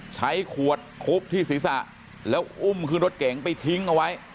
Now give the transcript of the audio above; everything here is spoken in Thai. ใช้ขวดทุบที่ศีรษะแล้วอุ้มขึ้นรถเก๋งไปทิ้งเอาไว้